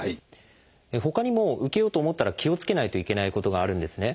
ほかにも受けようと思ったら気をつけないといけないことがあるんですね。